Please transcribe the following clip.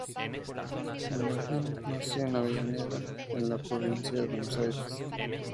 Minujín nació en Avellaneda, en la provincia de Buenos Aires.